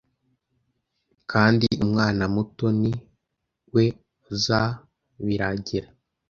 kandi umwana muto ni we uzabiragira